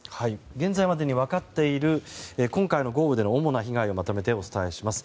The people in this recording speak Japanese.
現在までに分かっている今回の豪雨での主な被害をまとめてお伝えします。